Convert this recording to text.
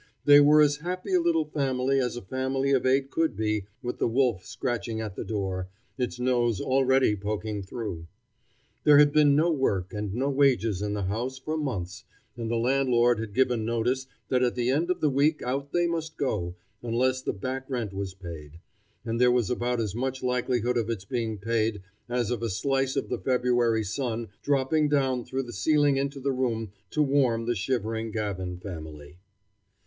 They were as happy a little family as a family of eight could be with the wolf scratching at the door, its nose already poking through. There had been no work and no wages in the house for months, and the landlord had given notice that at the end of the week out they must go, unless the back rent was paid. And there was about as much likelihood of its being paid as of a slice of the February sun dropping down through the ceiling into the room to warm the shivering Gavin family.